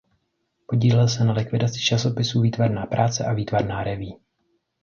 Podílel se na likvidaci časopisů "Výtvarná práce" a "Výtvarná revue".